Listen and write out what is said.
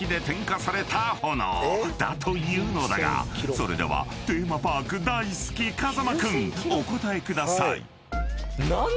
［それではテーマパーク大好き風間君お答えください］